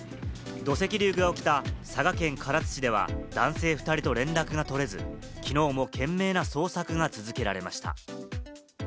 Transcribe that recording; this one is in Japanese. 土石流が起きた佐賀県唐津市では、男性２人と連絡が取れず、きのうも懸命な捜索が続けられました。